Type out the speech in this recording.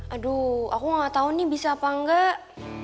aduh aku gak tau nih bisa apa enggak